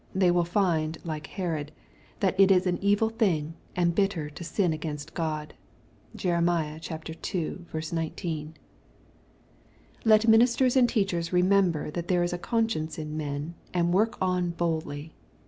They will find, like Herod, that it is an evil thing and bitter to sin against God. (Jerem. ii. 19.) Let ministers and teachers remember that there is a conscience in men, and work on boldly.